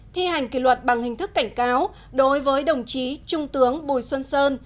thi hành kỷ luật bằng hình thức cảnh cáo đối với đồng chí trung tướng bùi xuân sơn